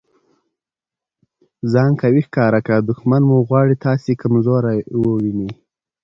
ځان قوي ښکاره که! دوښمن مو غواړي تاسي کمزوری وویني.